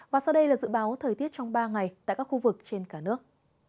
và sau đây là dự báo thời tiết trong ba ngày tại các khu vực trên cả nước